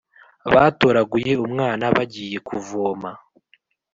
Batoraguye umwana bagiye kuvoma.